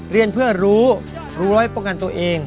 เรียนเพื่อรู้รู้ไว้ป้องกันตัวเอง